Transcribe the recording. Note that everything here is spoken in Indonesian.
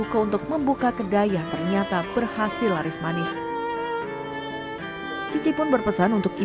kisah sukses cici berawal ketika dia harus berpisah dengan sang suami